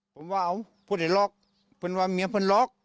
ผมว่าเอาพูดให้ล็อกเพื่อนว่าเมียเพื่อนล็อก